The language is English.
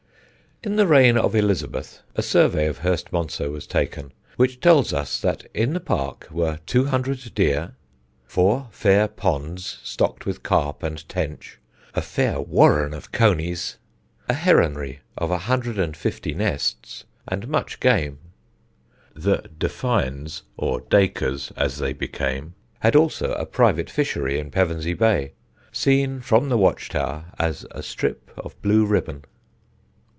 In the reign of Elizabeth a survey of Hurstmonceux was taken, which tells us that in the park were two hundred deer, "four fair ponds" stocked with carp and tench, a "fair warren of conies," a heronry of 150 nests, and much game. The de Fiennes, or Dacres as they became, had also a private fishery in Pevensey Bay, seen from the Watch Tower as a strip of blue ribbon.